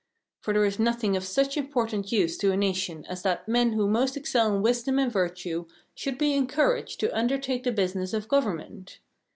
For there is nothing of such important use to a nation as that men who most excel in wisdom and virtue should be encouraged to undertake the business of government.